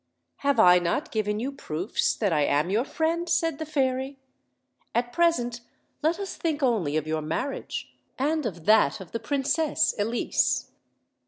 "Have 1 not given you proofs that I am your friend?" said the fairy. "At present let us think only of your marriage, and of that of the Princess Elise.